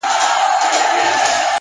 هوښیار فکر راتلونکی له نن سره تړي.